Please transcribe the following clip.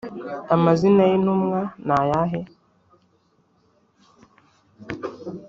amazina y intumwa ni ayahe